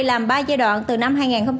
làm ba giai đoạn từ năm hai nghìn một mươi